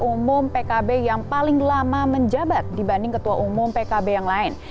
ketua umum pkb yang paling lama menjabat dibanding ketua umum pkb yang lain